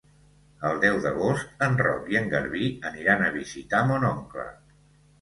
El deu d'agost en Roc i en Garbí aniran a visitar mon oncle.